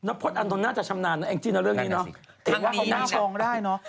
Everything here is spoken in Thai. น้องพลอันนนท์น่าจะชำนาญเนี่ยเองจริงเนี่ยเรื่องนี้เนาะเอกว่าเขาน่าฟองได้เนาะ